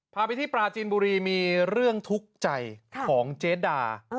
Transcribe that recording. พาไปที่ปราจีนบุรีมีเรื่องทุกข์ใจของเจ๊ดา